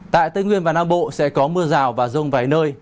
tại tây nguyên và nam bộ sẽ có mưa rào và rông vài nơi